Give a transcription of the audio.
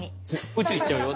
宇宙行っちゃうよ。